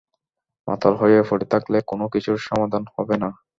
মাতাল হয়ে পড়ে থাকলে কোনো কিছুর সমাধান হবে না।